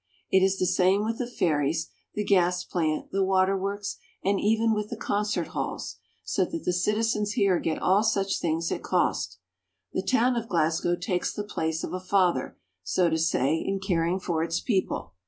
It is the same with the ferries, the gas plant, the waterworks, and even with the concert halls; so that the citizens here get all such things at cost. The town of Glasgow takes the place of a father, so to say, in caring for its people.